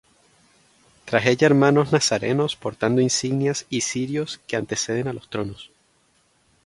Tras ella hermanos nazarenos portando insignias y cirios que anteceden a los tronos.